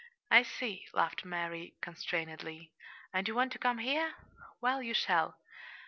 "I see," laughed Mary constrainedly. "And you want to come here? Well, you shall.